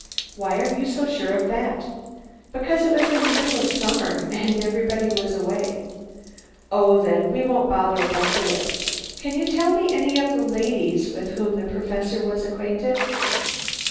"Why are you so sure of that?" "Because it was the middle of summer, and everybody was away." "Oh, then, we won't bother about the whip. Can you tell me of any ladies with whom the Professor was acquainted?"